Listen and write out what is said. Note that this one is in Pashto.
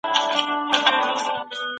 زه هیڅکله په کار کي تېروتنه نه کوم.